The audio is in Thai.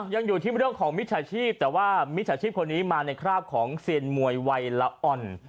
ยังอยู่ที่เรื่องของมิจฉาชีพแต่ว่ามิจฉาชีพคนนี้มาในคราบของเซียนมวยวัยละอ่อน